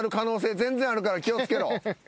全然あるから気を付けろ。